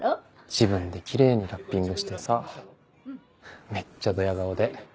自分でキレイにラッピングしてさめっちゃどや顔で。